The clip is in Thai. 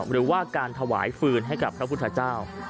หรือว่าการถวายฟืนให้กับพระพุทธเจ้า